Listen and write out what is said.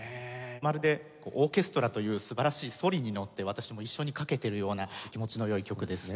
まるでオーケストラという素晴らしいそりに乗って私も一緒に駆けているような気持ちの良い曲ですね。